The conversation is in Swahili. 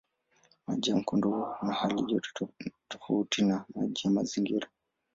Maji ya mkondo huwa na halijoto tofauti na maji ya mazingira.